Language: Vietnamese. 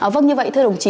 vâng như vậy thưa đồng chí